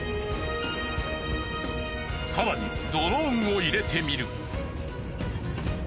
更にドローンを入れてみる。